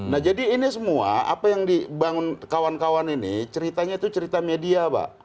nah jadi ini semua apa yang dibangun kawan kawan ini ceritanya itu cerita media pak